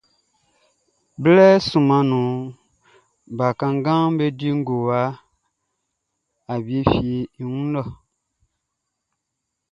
Blɛ sunman nunʼn, klɔ bakannganʼm be di ngowa awie fieʼm be wun lɛ.